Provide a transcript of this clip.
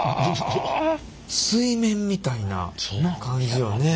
水面みたいな感じよね。